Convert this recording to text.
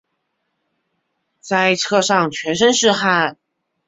在车上全身是汗